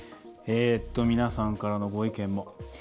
皆さんからのご意見も。